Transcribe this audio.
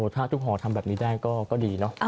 ถ้าทุกหอทำแบบนี้ได้ก็ดีเนาะ